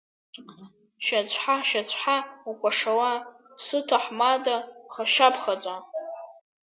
Шьацәха-шьацәха укәашала, сыҭаҳмада ԥхашьаԥхаҵа.